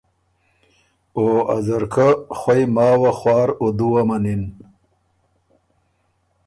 او ا ځرکۀ خوئ ماوه، خوار او دُوه منِن۔